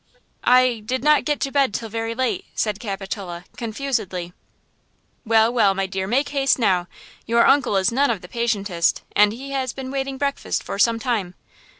"I–did not get to bed till very late," said Capitola, confusedly. "Well, well, my dear, make haste now, your uncle is none of the patientest, and he has been waiting breakfast for some time!